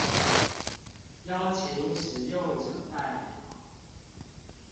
邀請使用者代表